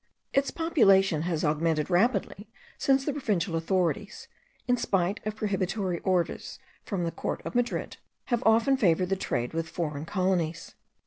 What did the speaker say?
Its population has augmented rapidly since the provincial authorities, in spite of prohibitory orders from the court of Madrid have often favoured the trade with foreign colonies.